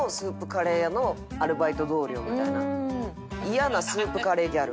嫌なスープカレーギャル。